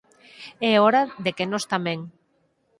É hora de que nós tamén.